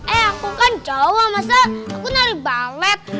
eh aku kan jawa masa aku nari balet